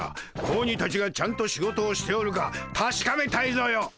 子鬼たちがちゃんと仕事をしておるかたしかめたいぞよ。